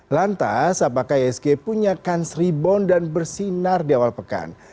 lantas apakah isg punya kans rebound dan bersinar di awal pekan